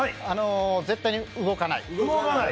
絶対に動かない。